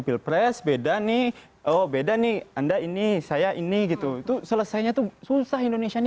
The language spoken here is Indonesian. pilpres beda nih oh beda nih anda ini saya ini gitu itu selesainya tuh susah indonesia ini